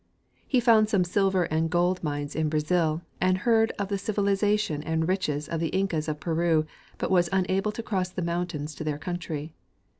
He found some silver and gold mines in Brazil and heard of the civilization and riches of the Incas of Peru, but was unable to cross the mountains to their country.